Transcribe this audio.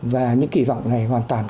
và những kỳ vọng này hoàn toàn còn lại